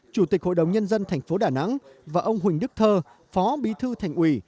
chủ tịch hội đồng nhân dân tp đà nẵng và ông huỳnh đức thơ phó bí thư thành ủy